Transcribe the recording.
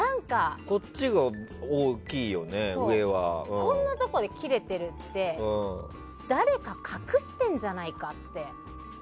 こんなところで切れてるって誰か隠しているんじゃないかって。